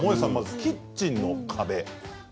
キッチンの壁。